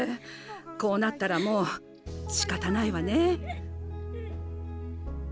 こうなったらもうしかたないわね。